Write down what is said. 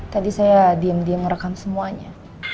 tadi saya diem diem merekam semuanya